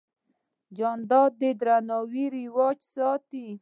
جانداد د درناوي رواج ساتي.